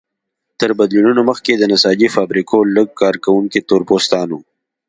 تر بدلونونو مخکې د نساجۍ فابریکو لږ کارکوونکي تور پوستان وو.